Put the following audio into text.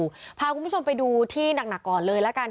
เดี๋ยวช่วงคุณผู้ชมไปดูที่หนักก่อนเลยละกัน